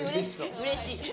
うれしい。